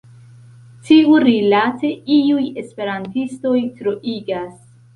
Tiurilate iuj esperantistoj troigas.